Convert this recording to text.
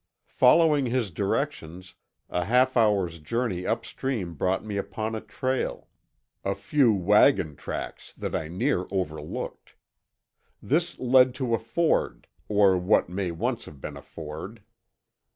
Following his directions, a half hour's journey upstream brought me upon a trail; a few wagon tracks that I near overlooked. This led to a ford, or what may once have been a ford.